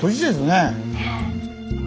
ねえ。